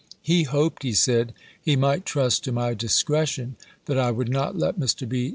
He hoped, he said, he might trust to my discretion, that I would not let Mr. B.